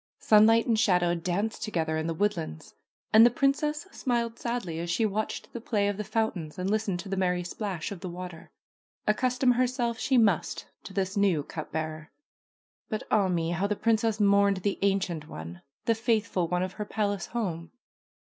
Sunlight and shadow danced together in the woodlands. And the princess smiled sadly as she watched the play of the fountains and listened to the merry splash of the water. Accustom herself she must to this new cup bearer. But ah me ! how the princess mourned the ancient one, the faithful one of her palace home